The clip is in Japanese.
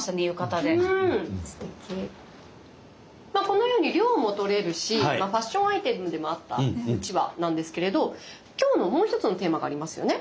このように涼も取れるしファッションアイテムでもあったうちわなんですけれど今日のもう一つのテーマがありますよね。